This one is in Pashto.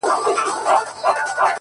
بلا وهلی يم له سترگو نه چي اور غورځي!